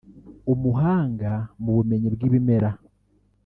umuhanga mu bumenyi bw’ibimera